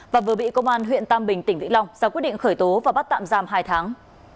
và vừa bị công an huyện tam bình tỉnh vĩnh long ra quyết định khởi tố và bắt tạm giam hai tháng